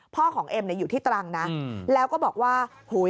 พ่อของเอ็มอยู่ที่ตรังแล้วก็บอกว่า